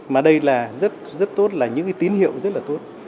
mà đây là rất tốt là những tín hiệu rất là tốt